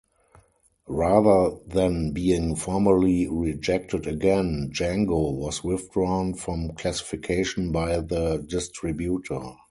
Rather than being formally rejected again, "Django" was withdrawn from classification by the distributor.